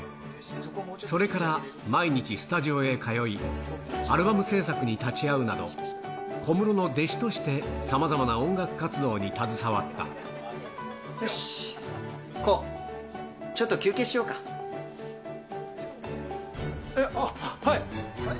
それから毎日スタジオへ通い、アルバム制作に立ち会うなど、小室の弟子としてさまざまな音楽よし、ＫＯＯ、ちょっと休憩えっ、あっ、はい。